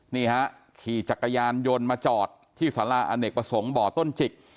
นี่ฮะขี่จักรยานยนต์มาจอดที่สาราอเนกประสงค์บ่อต้นจิก